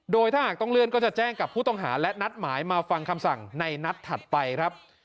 โดยถ้าหากต้องเลื่อนก็จะแจ้งกับผู้ต้องหาและนัดหมายมาฟังคำสั่งในนัดถัดไปครับ